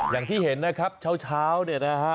อย่างที่เห็นนะครับเช้าเนี่ยนะฮะ